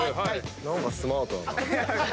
何かスマートだな。